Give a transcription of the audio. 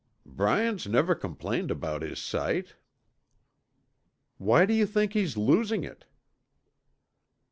"Bryant's never complained about his sight." "Why do you think he's losing it?"